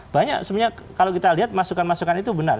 banyak sebenarnya kalau kita lihat masukan masukan itu benar